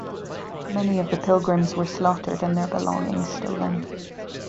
Many of the pilgrims were slaughtered and their belongings stolen.